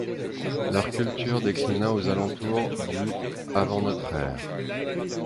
Leur culture déclina aux alentours du avant notre ère.